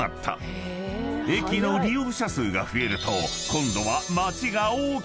［駅の利用者数が増えると今度は］